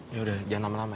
ya udah jangan lama lama ya